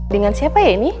dengan siapa ya ini